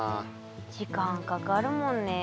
時間かかるもんねえ。